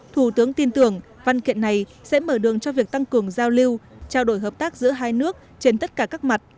thủ tướng tin tưởng văn kiện này sẽ mở đường cho việc tăng cường giao lưu trao đổi hợp tác giữa hai nước trên tất cả các mặt